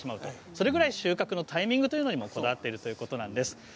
それぐらい収穫のタイミングにもこだわっているということなんです。